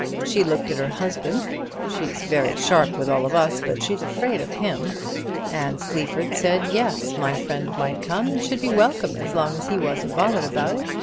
She looked at her husband, she's very sharp with all of us, but she's afraid of him, and Sleaford said yes; my friend might come and should be welcome, as long as he wasn't bothered about it.